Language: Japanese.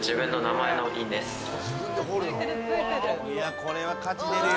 これは価値出るよ。